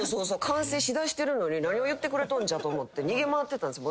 完成しだしてるのに何を言ってくれとんじゃと思って逃げ回ってたんです。